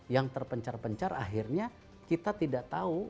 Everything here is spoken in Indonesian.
yang terpencar pencar akhirnya kita tidak tahu